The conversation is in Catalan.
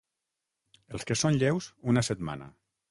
Els que són lleus, una setmana.